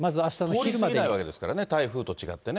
通り過ぎないわけですからね、台風と違ってね。